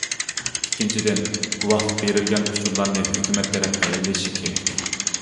ئىككىنچىدىن، گۇۋاھلىق بېرىلگەن ئۇچۇرلارنى ھۆكۈمەت تەرەپ دەلىللىشى كېرەك.